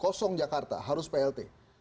kosong jakarta harus plt